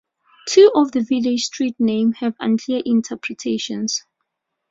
Two of the village street names have unclear interpretations.